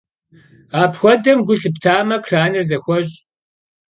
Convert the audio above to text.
Apxuedem gu lhıptame, kranır zexueş'.